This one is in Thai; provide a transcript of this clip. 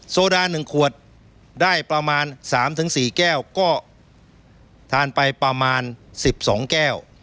โซดาหนึ่งขวดได้ประมาณสามถึงสี่แก้วก็ทานไปประมาณสิบสองแก้ว